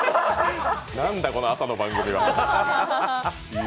なんだこの朝の番組は。